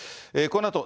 このあと、